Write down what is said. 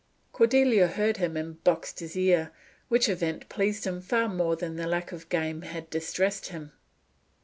Cordelia heard him, and boxed his ear, which event pleased him far more than the lack of game had distressed him.